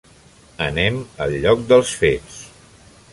Anem al lloc dels fets.